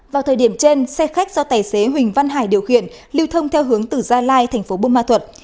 vào thời điểm trên xe khách do tài xế huỳnh văn hải điều khiển lưu thông theo hướng từ gia lai thành phố buôn ma thuật